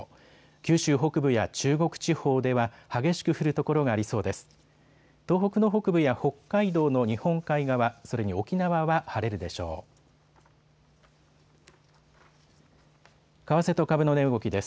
九州北部や中国地方では激しく降る所がありそうです。